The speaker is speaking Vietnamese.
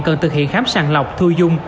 cần thực hiện khám sàng lọc thu dung